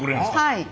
はい。